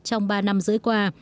trong ba năm rưỡi qua